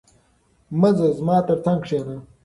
مه ځه، زما تر څنګ کښېنه.